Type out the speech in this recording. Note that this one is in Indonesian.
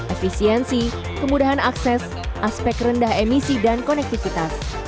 efisiensi kemudahan akses aspek rendah emisi dan konektivitas